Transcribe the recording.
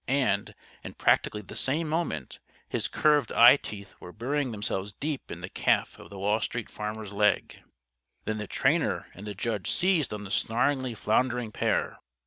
And, in practically the same moment, his curved eye teeth were burying themselves deep in the calf of the Wall Street Farmer's leg. Then the trainer and the judge seized on the snarlingly floundering pair.